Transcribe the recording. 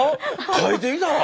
描いてみたら？